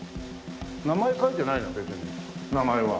名前書いてないの別に名前は。